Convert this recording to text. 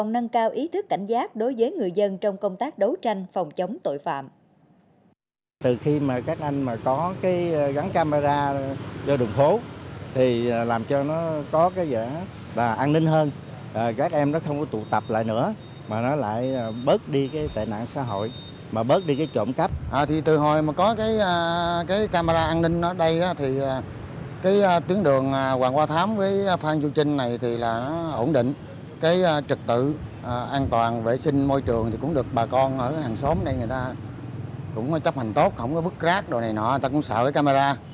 nhưng cũng là công tác đối với người dân trong công tác đấu tranh phòng chống tội phạm